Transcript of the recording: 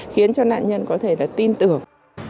khiến cho nạn nhân có thể tin tưởng